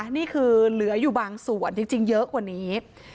นี่คือเหลืออยู่บางส่วนจริงเยอะกว่านี้